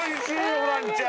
ホランちゃん。